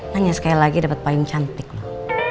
nanya sekali lagi dapet paling cantik loh